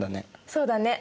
そうだね。